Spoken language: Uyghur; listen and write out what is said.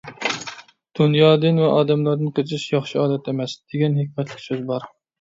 «دۇنيادىن ۋە ئادەملەردىن قېچىش ياخشى ئادەت ئەمەس» دېگەن ھېكمەتلىك سۆز بار.